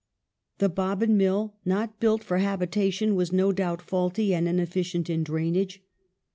The bobbin mill, not built for habitation, was, no doubt, faulty and insufficient in drainage.